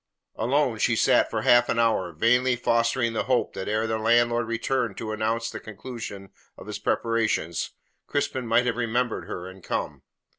Alone she sat for half an hour, vainly fostering the hope that ere the landlord returned to announce the conclusion of his preparations, Crispin might have remembered her and come.